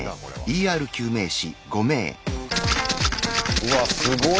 うわすごい！